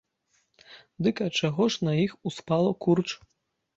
Дык ад чаго ж на іх успала курч?